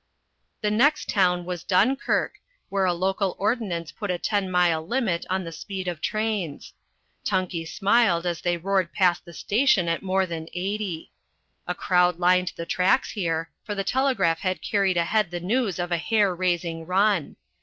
The next town was Dunkirk, where a local ordinance put a 10 mile limit on the speed of trains. Tunkey smiled as they roared past the station at more than 80. A crowd lined the tracks here, for the telegraph had carried ahead the news of a hair raising run.